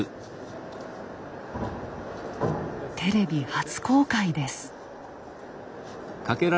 テレビ初公開です。